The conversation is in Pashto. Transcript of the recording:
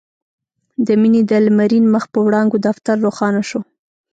د مينې د لمرين مخ په وړانګو دفتر روښانه شو.